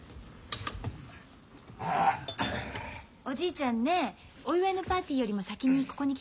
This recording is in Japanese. おじいちゃんねお祝いのパーティーよりも先にここに来たんだよ。